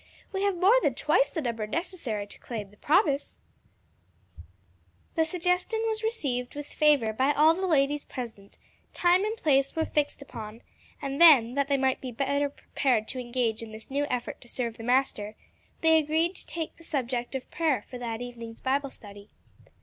We have more than twice the number necessary to claim the promise." The suggestion was received with favor by all the ladies present, time and place were fixed upon, and then, that they might be the better prepared to engage in this new effort to serve the Master, they agreed to take the subject of prayer for that evening's Bible study.